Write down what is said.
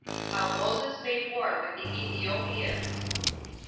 How Moses Made War With The Ethiopians.